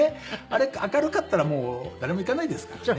あれ明るかったらもう誰も行かないですからね。